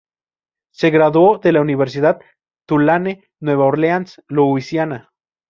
Se graduó de la Universidad Tulane, Nueva Orleans, Louisiana.